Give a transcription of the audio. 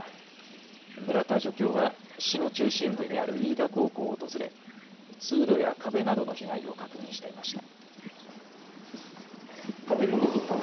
村田助教は市の中心部にある飯田高校を訪れ通路や壁などの被害を確認していました。